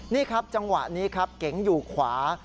นี่ครับจังหวะนี้ครับเก๋งอยู่ขวา